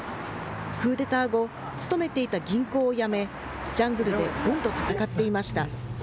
クーデター後、勤めていた銀行を辞め、ジャングルで軍と戦っていました。